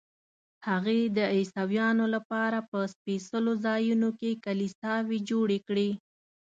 هغې د عیسویانو لپاره په سپېڅلو ځایونو کې کلیساوې جوړې کړې.